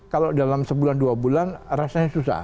kalau dalam sebulan dua bulan rasanya susah